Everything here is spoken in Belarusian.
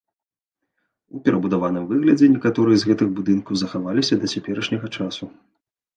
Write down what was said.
У перабудаваным выглядзе некаторыя з гэтых будынкаў захаваліся да цяперашняга часу.